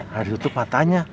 harus tutup matanya